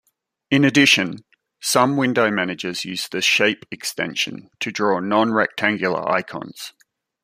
In addition, some window managers use the shape extension to draw non-rectangular icons.